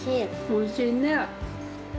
おいしいね。